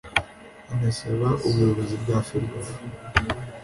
anasaba ubuyobozi bwa Ferwafa